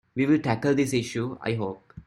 We will tackle this issue, I hope.